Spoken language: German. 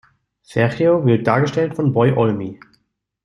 Sergio wird dargestellt von "Boy Olmi".